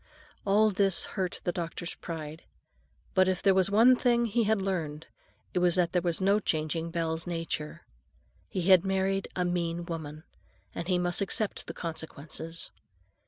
All this hurt the doctor's pride. But if there was one thing he had learned, it was that there was no changing Belle's nature. He had married a mean woman; and he must accept the consequences.